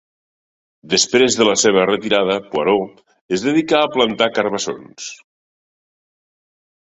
Després de la seva retirada, Poirot es dedicà a plantar carbassons.